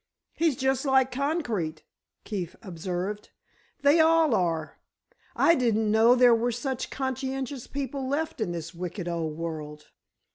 "He's just like concrete," Keefe observed. "They all are. I didn't know there were such conscientious people left in this wicked old world!"